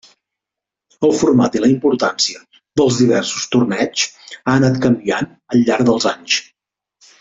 El format i la importància dels diversos torneigs ha anat canviant al llarg dels anys.